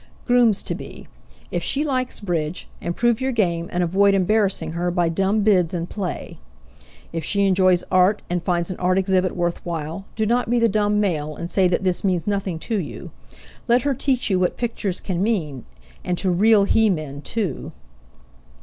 Grooms to be: If she likes bridge, improve your game and avoid embarrassing her by dumb bids and play. If she enjoys art and finds an art exhibit worth while, do not be the dumb male and say that this means nothing to you; let her teach you what pictures can mean and to real he men, too.